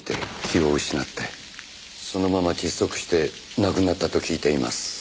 そのまま窒息して亡くなったと聞いています。